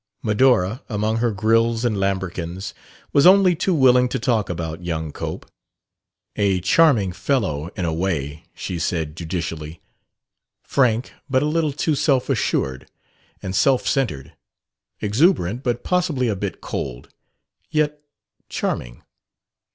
Medora, among her grilles and lambrequins, was only too willing to talk about young Cope. "A charming fellow in a way," she said judicially. "Frank, but a little too self assured and self centered. Exuberant, but possibly a bit cold. Yet charming."